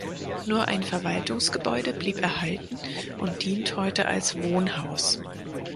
Nur ein Verwaltungsgebäude blieb erhalten und dient heute als Wohnhaus.